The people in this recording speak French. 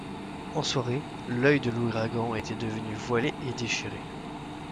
En soirée, l'œil de l’ouragan était devenu voilé et déchiré.